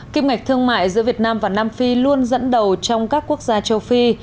kim ngạch thương mại giữa việt nam và nam phi luôn dẫn đầu trong các quốc gia châu phi